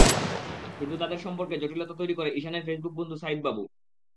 কিন্তু তাঁদের সম্পর্কে জটিলতা তৈরি করে ঈশানার ফেসবুক বন্ধু সাঈদ বাবু।